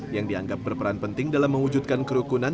yang dianggap berperan penting dalam mewujudkan kerukunan